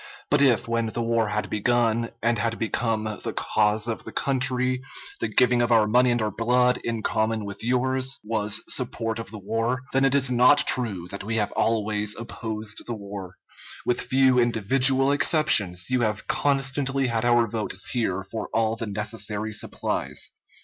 But if when the war had begun, and had become the cause of the country, the giving of our money and our blood, in common with yours, was support of the war, then it is not true that we have always opposed the war. With few individual exceptions, you have constantly had our votes here for all the necessary supplies.